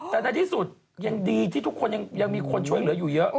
แต่ในที่สุดยังดีที่ทุกคนยังมีคนช่วยเหลืออยู่เยอะ